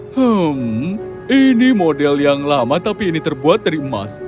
hmm ini model yang lama tapi ini terbuat dari emas